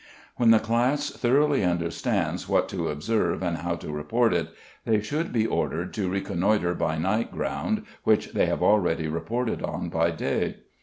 When the class thoroughly understand what to observe and how to report it, they should be ordered to reconnoitre by night ground which they have already reported on by day.